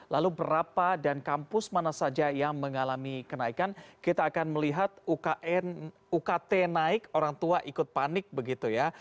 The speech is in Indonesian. lalu berapa dan kampus mana saja yang mengalami kenaikan kita akan melihat ukt naik orang tua ikut panik begitu ya